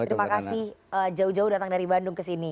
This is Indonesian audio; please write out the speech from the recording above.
terima kasih jauh jauh datang dari bandung kesini